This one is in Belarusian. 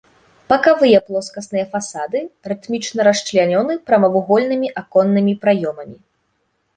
Бакавыя плоскасныя фасады рытмічна расчлянёны прамавугольнымі аконнымі праёмамі.